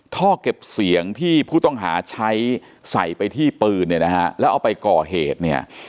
ท่อเก็บเสียงที่ผู้ต้องหาใช้ใส่ไปที่ปืนแล้วเอาไปก่อเหตุ